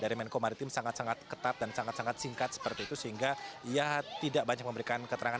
jadi ini adalah satu peristiwa yang sangat sangat ketat dan sangat sangat singkat seperti itu sehingga ya tidak banyak memberikan keterangan